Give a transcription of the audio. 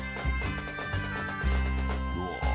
うわ！